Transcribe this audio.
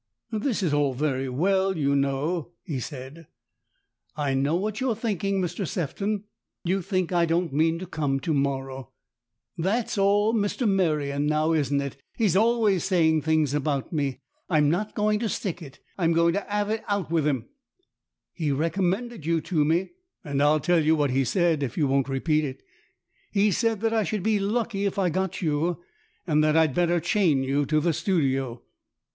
" This is all very well, you know," he said. " I know what you are thinking, Mr Sefton. You think I don't mean to come to morrow. That's all Mr Merion, now, isn't it ? He's always saying things about me. I'm not going to stick it. I'm going to 'ave it out with 'im." 148 STORIES IN GREY " He recommended you to me. And I'll tell you what he said, if you won't repeat it. He said that I should be lucky if I got you, and that I'd better chain you to the studio."